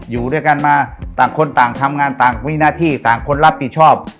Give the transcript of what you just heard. อยู่ด้วยกันมาต่างคนต่างทำงานต่างมีหน้าที่ต่างคนรับผิดชอบ